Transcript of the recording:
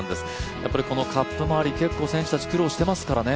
やっぱりこのカップ周り選手たち結構、苦労してますからね。